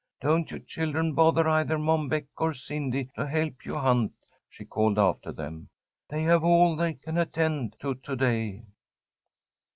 Don't you children bother either Mom Beck or Cindy to help you hunt," she called after them. "They have all they can attend to to day."